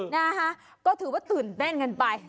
นะฮะก็ถือว่าตื่นเต้นกันไป